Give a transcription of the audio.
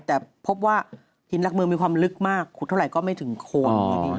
แต่พบว่าหินหลักเมืองมีความลึกมากขุดเท่าไหร่ก็ไม่ถึงโคน